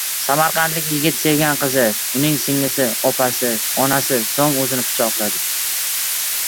Samarqandlik yigit sevgan qizi, uning singlisi, opasi, onasini, so‘ng o‘zini pichoqladi